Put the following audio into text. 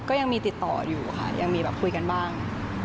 ก็ยังมีติดต่ออยู่ค่ะยังมีแบบคุยกันบ้าง